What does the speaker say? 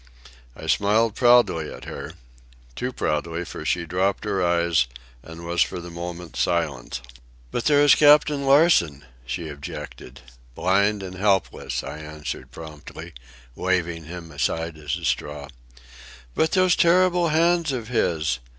I smiled proudly at her—too proudly, for she dropped her eyes and was for the moment silent. "But there is Captain Larsen," she objected. "Blind and helpless," I answered promptly, waving him aside as a straw. "But those terrible hands of his!